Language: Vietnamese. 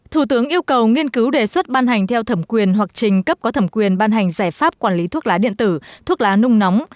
thủ tướng yêu cầu nghiên cứu đề xuất ban hành theo thẩm quyền hoặc trình cấp có thẩm quyền ban hành giải pháp quản lý thuốc lá điện tử thuốc lá nung nóng